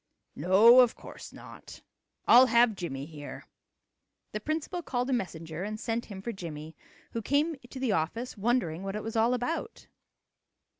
"No, of course not. I'll have Jimmie here." The principal called a messenger and sent him for Jimmie, who came to the office wondering what it was all about.